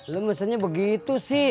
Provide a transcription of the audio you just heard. lo misalnya begitu sih